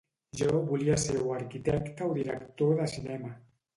Jo volia ser o arquitecte o director de cinema